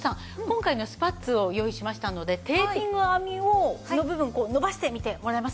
今回のスパッツを用意しましたのでテーピング編みの部分伸ばしてみてもらえますか？